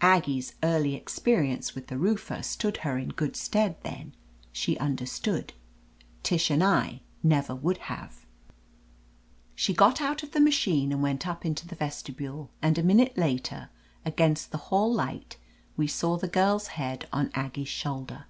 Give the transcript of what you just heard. Aggie's early experience with the roofer stood her in good stead then. She understood ; Tish and I never would have. She got out of 279 THE AMAZING ADVENTURES the machine and went up into the vestibule, and a minute later, against the hall light, we saw the girl's head on Aggie's shoulder.